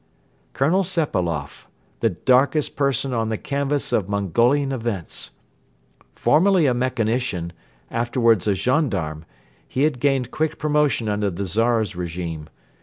Colonel Sepailoff, the darkest person on the canvas of Mongolian events! Formerly a mechanician, afterwards a gendarme, he had gained quick promotion under the Czar's regime.